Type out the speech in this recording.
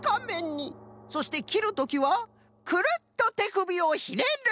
そしてきるときはくるっとてくびをひねる！